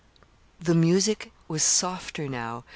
The music was softer now.